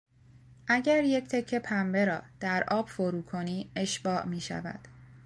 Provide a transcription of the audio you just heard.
اگر یک تکه پنبه را در آب فرو کنی اشباع میشود.